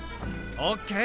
ＯＫ！